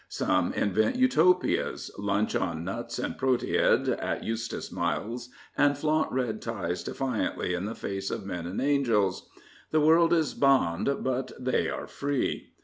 Some invent Utopias, lunch on nuts and proteid at Eustace Miles', and flaunt red ties defiantly in the face of men and angels. The world is bond, but they are free.